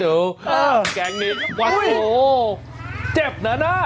เออแกงนี้วัดโอ้โฮเจ็บหน่อยนะ